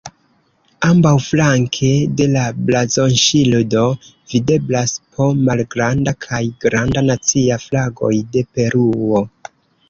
Ambaŭflanke de la blazonŝildo videblas po malgranda kaj granda nacia flagoj de Peruo.